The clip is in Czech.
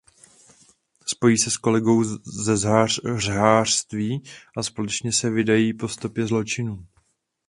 Spojí se s kolegou ze žhářství a společně se vydávají po stopě zločinců.